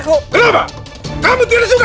kamu tidak suka